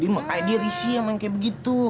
maka dia risih yang main kayak begitu